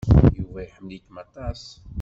Yuba iḥemmel-ik aṭas.